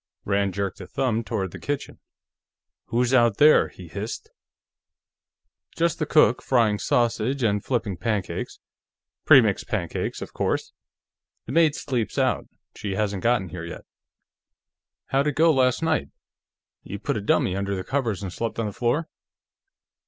Rand jerked a thumb toward the kitchen. "Who's out there?" he hissed. "Just the cook; frying sausage and flipping pancakes. Premix pancakes, of course. The maid sleeps out; she hasn't gotten here yet. How'd it go last night? You put a dummy under the covers and sleep on the floor?"